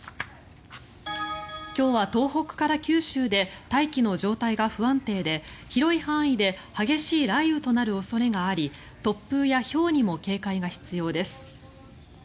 今日は東北から九州で大気の状態が不安定で広い範囲で激しい雷雨となる恐れがあり突風やひょうにも警戒が必要です。